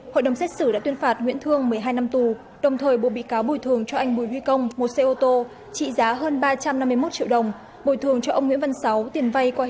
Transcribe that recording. hội đồng xét xử đã tuyên phạt nguyễn thương một mươi hai năm tù đồng thời bộ bị cáo bồi thường cho anh bùi huy công một xe ô tô trị giá hơn ba trăm năm mươi một triệu đồng bồi thường cho ông nguyễn văn sáu tiền vay qua hình thức cầm cố xe một trăm linh triệu đồng